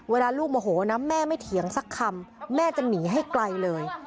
เวลาลูกโมโหนะแม่ไม่เถียงสักคำแม่จะหนีให้ไกลเลย